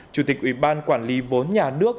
chủ tịch ủy ban quản lý vốn nhà nước